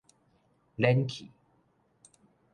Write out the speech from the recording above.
蔫去